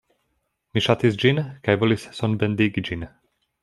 Mi ŝatis ĝin kaj volis sonbendigi ĝin.